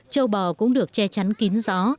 trâu bò cũng được che chắn kín gió